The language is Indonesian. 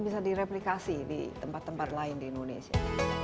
bisa direplikasi di tempat tempat lain di indonesia